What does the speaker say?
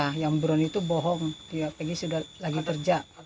ya yang burun itu bohong pegi sedang bekerja di bandung